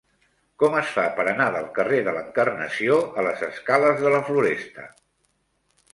Com es fa per anar del carrer de l'Encarnació a les escales de la Floresta?